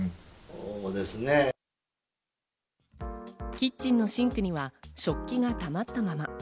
キッチンのシンクには食器がたまったまま。